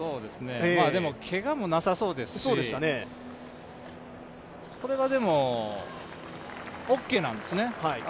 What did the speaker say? でも、けがもなさそうですしこれはでも、オーケーなんですね。